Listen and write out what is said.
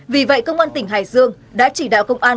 vì vậy công an tỉnh hải dương đã chỉ đạo công an